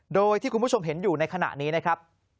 โดยที่คุณผู้ชมเห็นอยู่ในขณะนี้นะครับ